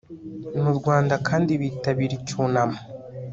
mu rwanda kandi bitabira icyunamo